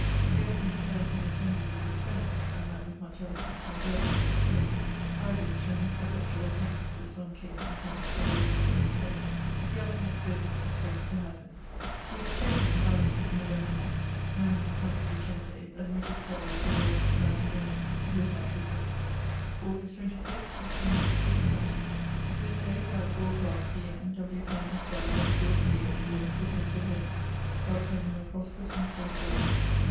He often declares in the assemblies of his Friends, and that with much eloquence and fervency of spirit by which, and his perpetuall attendances on K and P for the reliefe of his Friends, he often exposes his health to hazard. He was chosen (ballotted) November 9th, nemine contradicente, admitted Fellow of the Royal Societie, London, with much respecte. August 26, 1682, Saturday. This day about 4 a clock P.M. W. Penne, esq., went towards Deale to launch for Pensylvania. God send him a prosperous and safe voyage.